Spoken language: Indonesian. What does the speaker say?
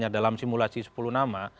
dalam simulasi sepuluh nama